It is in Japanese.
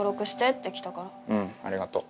うんありがとう。